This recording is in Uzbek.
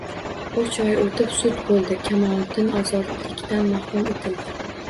Uch oy o`tib sud bo`ldi, Kamoliddin ozodlikdan mahrum etildi